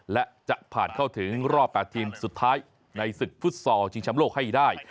และจะผ่านเข้าถึงรอบ๘ทีมสุดท้ายในศึกฟุตซอลชิงชำโลกให้ได้